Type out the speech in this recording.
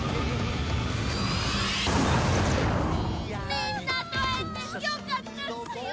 みんなと会えてよかったっすよ！